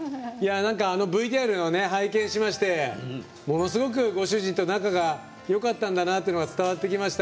なんかＶＴＲを拝見しましてものすごくご主人と仲がよかったんだなってのが伝わってきました。